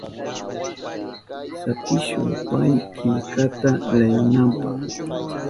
Sakishu pay killkata leyinanpa.